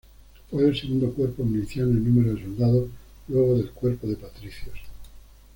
Fue el segundo cuerpo miliciano en número de soldados luego del cuerpo de Patricios.